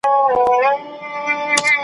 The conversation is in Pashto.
د فرهنګي تحریف پر وړاندې